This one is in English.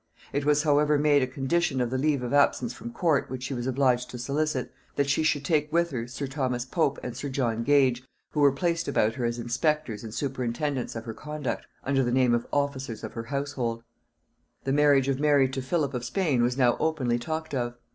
It was however made a condition of the leave of absence from court which she was obliged to solicit, that she should take with her sir Thomas Pope and sir John Gage, who were placed about her as inspectors and superintendants of her conduct, under the name of officers of her household. The marriage of Mary to Philip of Spain was now openly talked of.